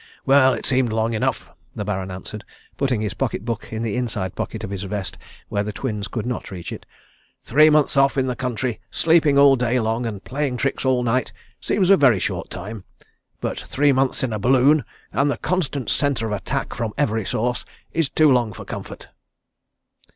"Well, it seemed long enough," the Baron answered, putting his pocket book in the inside pocket of his vest where the Twins could not reach it. "Three months off in the country sleeping all day long and playing tricks all night seems a very short time, but three months in a balloon and the constant centre of attack from every source is too long for comfort."